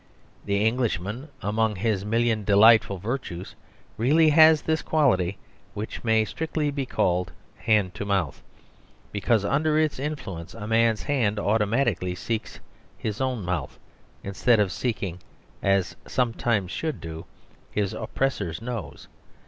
The Englishman, among his million delightful virtues, really has this quality, which may strictly be called "hand to mouth," because under its influence a man's hand automatically seeks his own mouth, instead of seeking (as it sometimes should do) his oppressor's nose.